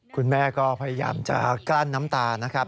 คุณแม่ก็พยายามจะกลั้นน้ำตานะครับ